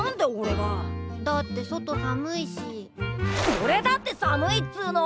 おれだって寒いっつの！